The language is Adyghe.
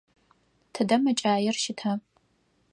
Тыдэ мэкӏаир щыта?